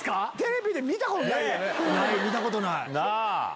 見たことない！